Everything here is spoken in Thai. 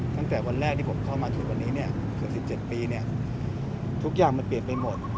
ตั้งแต่วันแรกที่ผมเข้ามาถึงวันนี้เกือบ๑๗ปีทุกอย่างมันเปลี่ยนไปหมด